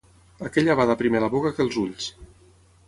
Aquella bada primer la boca que els ulls.